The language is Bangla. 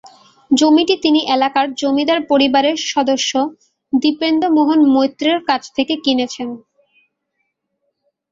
জমিটি তিনি এলাকার জমিদার পরিবারের সদস্য দীপেন্দ্র মহন মৈত্রর কাছ থেকে কিনেছেন।